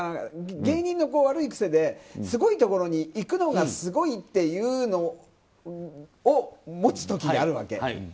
芸人の悪い癖ですごいところに行くのがすごいっていうのを持つ時があるわけ。